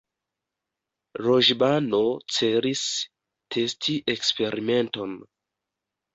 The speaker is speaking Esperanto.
Loĵbano celis testi eksperimenton